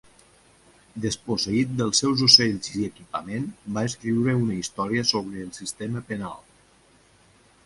Desposseït dels seus ocells i equipament, va escriure una història sobre el sistema penal.